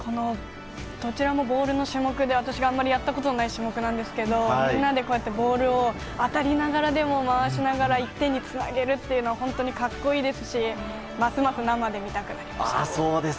どちらもボールの種目で私があまりやったことのない種目なんですけどみんなでこうやってボールを当たりながらでも回しながら１点につなげるというのは本当に格好いいですしますます生で見たくなりました。